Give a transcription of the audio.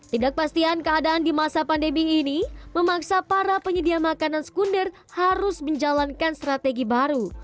tidak pastian keadaan di masa pandemi ini memaksa para penyedia makanan sekunder harus menjalankan strategi baru